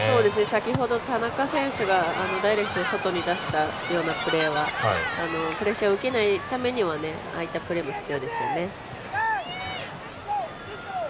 先ほど田中選手がダイレクトで外に出したようなプレーはプレッシャーを受けないためにはああいったプレーも必要ですよね。